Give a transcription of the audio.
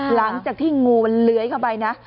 หลังจากที่งูมันเลื้อยเข้าไปนะ